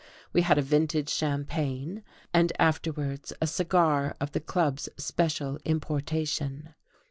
We had a vintage champagne, and afterwards a cigar of the club's special importation.